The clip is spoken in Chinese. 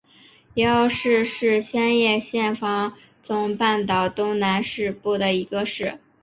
夷隅市是千叶县房总半岛东南部的一市。